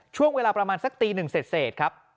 ช่วงเวลาประมาณสักตีหนึ่งเสร็จครับ